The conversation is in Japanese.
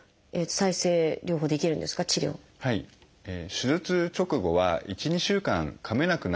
手術直後は１２週間かめなくなることがございます。